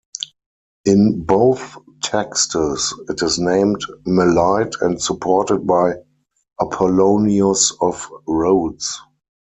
In both texts, it is named Melite and supported by Apollonius of Rhodes.